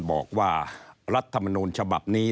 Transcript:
บอกว่ารัฐมนูลฉบับนี้